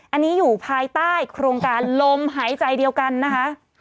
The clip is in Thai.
อันนี้อยู่ภายใต้โครงการลมหายใจเดียวกันนะคะ